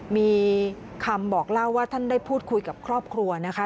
มีคำบอกเล่าว่าท่านได้พูดคุยกับครอบครัวนะคะ